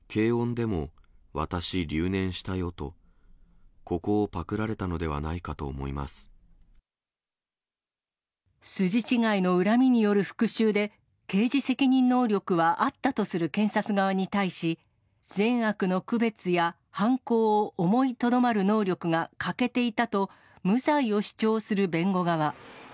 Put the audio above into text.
でも私留年したよと、ここをパクられたのではないかと筋違いの恨みによる復しゅうで、刑事責任能力はあったとする検察側に対し、善悪の区別や犯行を思いとどまる能力が欠けていたと、無罪を主張する弁護側。